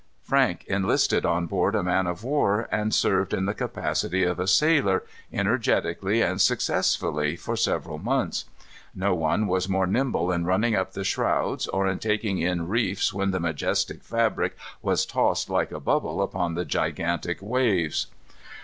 Frank enlisted on board a man of war, and served in the capacity of a sailor, energetically and successfully, for several months. No one was more nimble in running up the shrouds, or in taking in reefs when the majestic fabric was tossed like a bubble upon the gigantic waves.